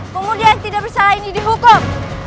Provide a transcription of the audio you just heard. pemuda yang tidak bersalah ini dihukum